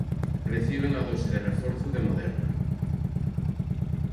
Reciben a dose de reforzo de Moderna.